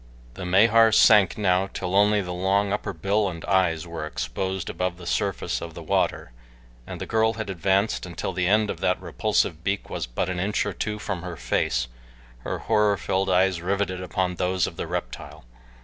The Mahar sank now till only the long upper bill and eyes were exposed above the surface of the water, and the girl had advanced until the end of that repulsive beak was but an inch or two from her face, her horror filled eyes riveted upon those of the reptile.